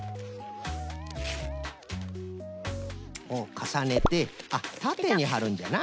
かさねてあったてにはるんじゃな。